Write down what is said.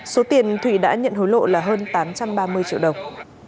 số tiền thủy đã nhận hối lộ là hơn tám trăm ba mươi triệu đồng